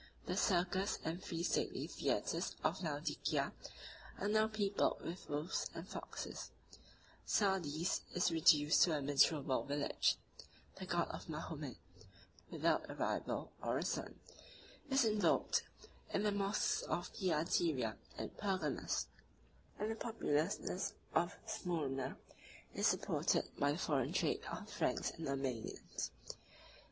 The circus and three stately theatres of Laodicea are now peopled with wolves and foxes; Sardes is reduced to a miserable village; the God of Mahomet, without a rival or a son, is invoked in the mosques of Thyatira and Pergamus; and the populousness of Smyrna is supported by the foreign trade of the Franks and Armenians.